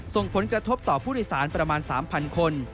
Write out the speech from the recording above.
ส่งผลกระทบต่อผู้โดยสารประมาณ๓๐๐คน